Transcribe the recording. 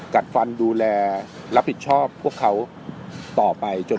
กัดฟันดูแลรับผิดชอบพวกเขาต่อไปจน